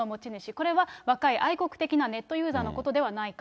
これは若い愛国的なネットユーザーのことではないか。